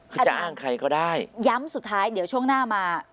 จะอ้างใครก็ได้ย้ำสุดท้ายเดี๋ยวช่วงหน้ามา